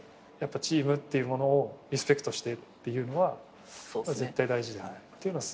チームっていうものをリスペクトしてっていうのは絶対大事だよね。っていうのはすげえ思う。